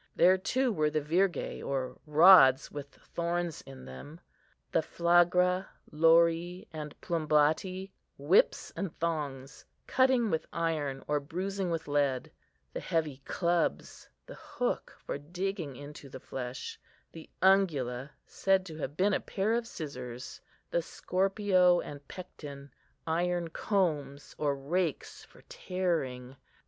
There, too, were the virgæ, or rods with thorns in them; the flagra, lori, and plumbati, whips and thongs, cutting with iron or bruising with lead; the heavy clubs; the hook for digging into the flesh; the ungula, said to have been a pair of scissors; the scorpio, and pecten, iron combs or rakes for tearing.